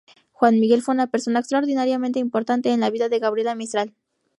Juan Miguel fue una persona extraordinariamente importante en la vida de Gabriela Mistral.